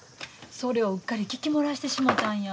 それをうっかり聞き漏らしてしもたんや。